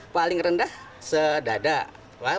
paling rendah sedadak